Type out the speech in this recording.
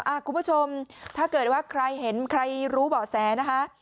คุณผู้ชมถ้าเกิดว่าใครเห็นใครรู้เบาะแสนะคะ